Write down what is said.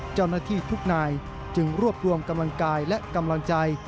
เจ้าหน้าที่ทุกนายจึงรวบรวมกำลังกายและกำลังใจ